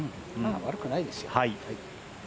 悪くないですよ。